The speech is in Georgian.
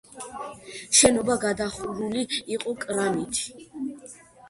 შენობა გადახურული იყო კრამიტით.